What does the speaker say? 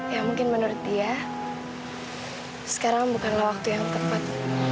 ya mungkin menurut dia sekarang bukanlah waktu yang tepat